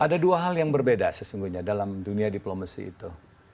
ada dua hal yang berbeda sesungguhnya dalam dunia diplomasi itu